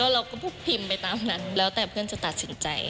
เราก็พิมพ์ไปตามนั้นแล้วแต่เพื่อนจะตัดสินใจ